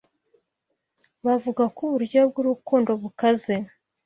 Bavuga ko uburyohe bwurukundo bukaze.